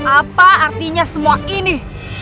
apa artinya semua ini